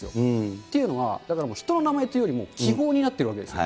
っていうのは、だから人の名前というよりも、希望になってるわけですよ。